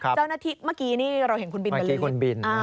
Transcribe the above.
เจ้าหน้าที่เมื่อกี้เราเห็นคุณบินเบลี